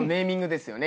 ですよね。